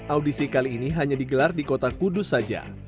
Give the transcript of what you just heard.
audisi kali ini hanya digelar di kota kudus saja